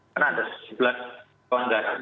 karena ada sebelas kelanggaran